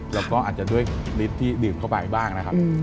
แล้วก็อาจจะด้วยลิตรที่ดื่มเข้าไปบ้างนะครับ